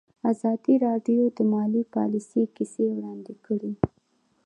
ازادي راډیو د مالي پالیسي کیسې وړاندې کړي.